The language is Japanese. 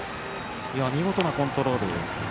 見事なコントロール。